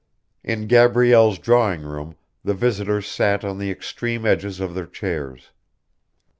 In Gabrielle's drawing room the visitors sat on the extreme edges of their chairs.